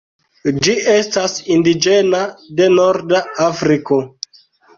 Ĝi estas indiĝena de norda Afriko.